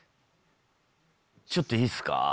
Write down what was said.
ちょっといいですか？